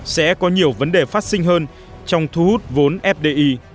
sẽ có nhiều vấn đề phát sinh hơn trong thu hút vốn fdi